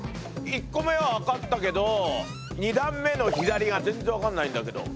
１個目は分かったけど２段目の左が全然分かんないんだけど。